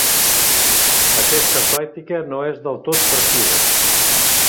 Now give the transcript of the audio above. Aquesta pràctica no és del tot precisa.